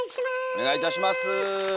お願いいたします。